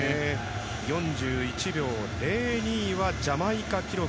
４１秒０２はジャマイカ記録。